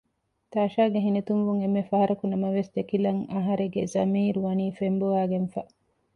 ތާޝާގެ ހިނިތުންވުން އެންމެ ފަހަރަކު ނަމަވެސް ދެކިލަން އަހަރެގެ ޒަމީރު ވަނީ ފެންބޮވައިގެންފަ